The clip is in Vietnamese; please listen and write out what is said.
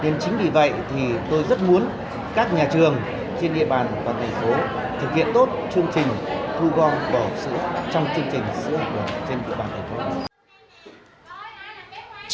nên chính vì vậy tôi rất muốn các nhà trường trên địa bàn và tại phố thực hiện tốt chương trình thu gom vỏ hộp sữa trong chương trình sữa học hộp trên địa bàn tại phố